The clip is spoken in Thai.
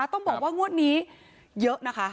ต้องบอกว่างวดนี้เยอะนะคะ